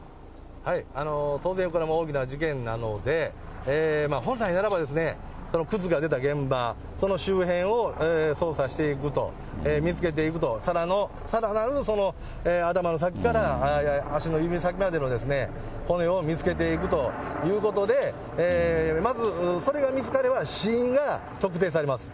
当然、これは大きな事件なので、本来ならば、靴が出た現場、その周辺を捜査していくと、見つけていくと、さらなる頭の先から足の指先までの骨を見つけていくということで、まずそれが見つかれば、死因が特定されます。